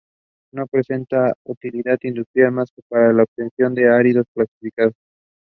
Dealers could acquire titles through direct contact with each other.